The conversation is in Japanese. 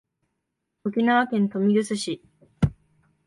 沖縄県豊見城市